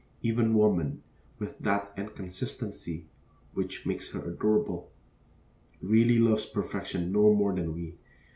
Even woman, with that inconsistency which makes her adorable, really loves perfection no more than we.